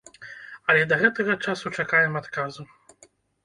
Але да гэтага часу чакаем адказу.